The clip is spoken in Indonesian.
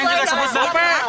yang lain juga sempat berapa